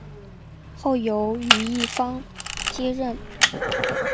后由于一方接任。